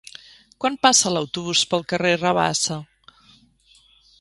Quan passa l'autobús pel carrer Rabassa?